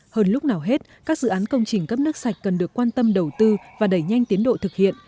hơn lúc nào hết các dự án công trình cấp nước sạch cần được quan tâm đầu tư và đẩy nhanh tiến độ thực hiện